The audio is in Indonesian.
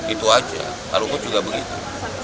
itu aja kalaupun juga begitu